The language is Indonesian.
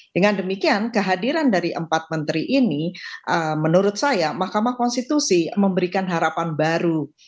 dengan demikian kehadiran dari empat menteri ini menurut saya mahkamah konstitusi memberikan harapan baru